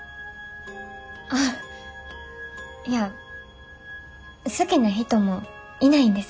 あっいや好きな人もいないんです。